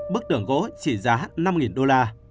bức tưởng gỗ chỉ giá năm đô la